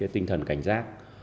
tinh thần cảnh giác